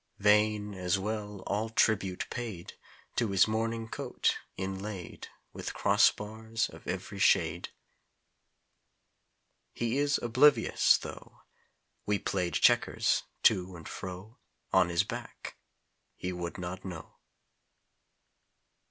Vain, as well, all tribute paid To his morning coat, inlaid With crossbars of every shade. He is oblivious, tho We played checkers to and fro On his back he would not know.